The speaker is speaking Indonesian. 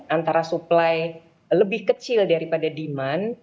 antara suplai lebih kecil daripada diman